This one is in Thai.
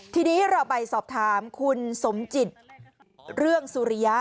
ทีนี้เราไปสอบถามคุณสมจิตเรื่องสุริยะ